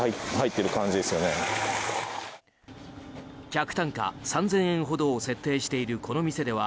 客単価３０００円ほどを設定しているこの店では